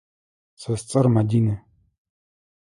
Сэ сцӏэр Мадинэ.